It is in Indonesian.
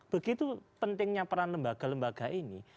begitu pentingnya peran lembaga lembaga ini